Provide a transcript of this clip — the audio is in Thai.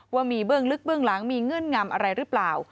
ว่ามีเบื้องลึกเบื้องหลังมีเงื่อนงำอะไรหรือเปล่า